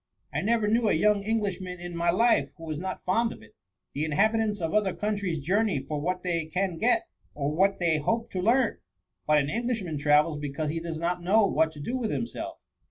I never knew a young Englishman in my life who was not fond of it. The inhal)i tants of other countries journey for what they can get, or what they hope to learn ; but an Englishman travels because he does not know what to do with himself.